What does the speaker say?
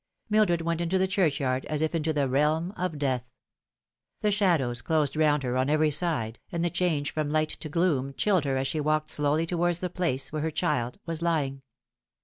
Mildred went into the church yard as if into the realm of death. The shadows closed round her on every side, and the change from light to gloom chilled her as she walked slowly towards the place where her child was lying.